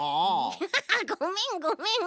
ハハハごめんごめん。